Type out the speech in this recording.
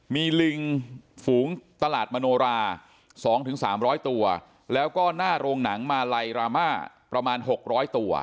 มีลิงฝูงตลาดมโนรา๒๓๐๐ตัวแล้วก็หน้าโรงหนังมาลัยรามาประมาณ๖๐๐ตัว